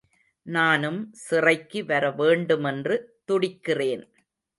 நானும் சிறைக்கு வரவேண்டுமென்று துடிக்கிறேன்.